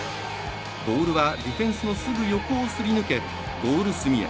ボールはディフェンスのすぐ横をすり抜け、ゴール隅へ。